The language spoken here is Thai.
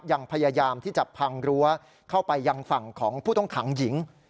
ยังพยายามที่จะพังรั้วเข้าไปยังฝั่งของผู้ต้องขังหญิง